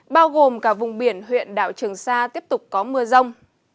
bao gồm cả vùng biển huyện đảo trường sa tiếp tục có mưa rông